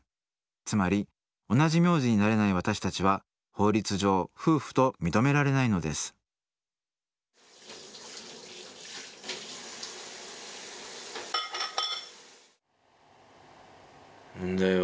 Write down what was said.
つまり同じ名字になれない私たちは法律上夫婦と認められないのです問題は。